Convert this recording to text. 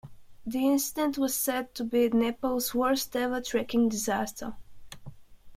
The incident was said to be Nepal's worst-ever trekking disaster.